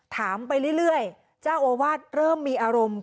ถามไปเรื่อยเจ้าอาวาสเริ่มมีอารมณ์